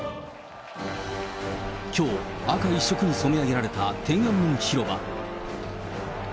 きょう、赤一色に染め上げられた天安門広場。